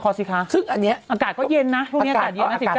ขอสิคะซึ่งอันเนี้ยอากาศก็เย็นนะอากาศเย็นน่ะสิบเก้าอ๋ออากาศ